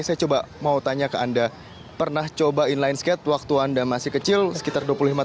saya coba mau tanya ke anda pernah coba inline skate waktu anda masih kecil sekitar dua puluh lima tahun